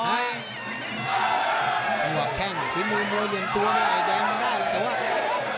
วิ่งวิ่งเข้ามานี่ต้องดักด้วยศอกหน่อย